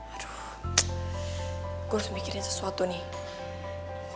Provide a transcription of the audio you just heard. aduh gue harus mikirin sesuatu nih